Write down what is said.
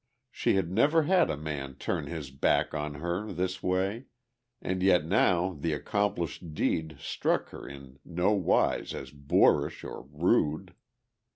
She had never had a man turn his back on her this way, and yet now the accomplished deed struck her in nowise as boorish or rude.